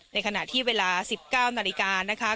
ในขณะที่เวลา๑๙นาฬิกานะคะ